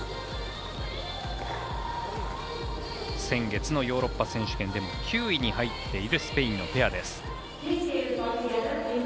先月のヨーロッパ選手権でも９位に入っているスペインのペア。